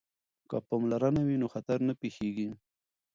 که پاملرنه وي نو خطر نه پیښیږي.